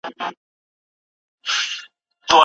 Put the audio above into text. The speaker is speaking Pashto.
ټول انسانان د ژوند کولو حق لري.